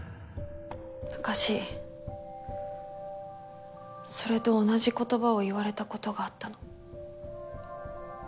昔それと同じ言葉を言われた事があったの。